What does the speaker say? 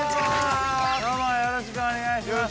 ◆よろしくお願いします。